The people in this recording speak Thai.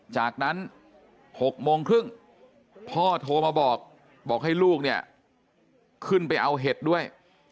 จากนั้น๖๓๐พ่อโทรมาบอกบอกให้ลูกขึ้นไปเอาเห็ดด้วย